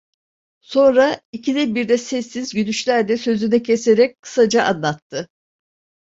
Sonra, ikide birde sessiz gülüşlerle sözünü keserek, kısaca anlattı…